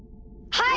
はい！